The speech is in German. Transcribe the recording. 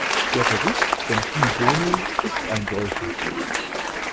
Der Bericht von Guy Bono ist ein solcher.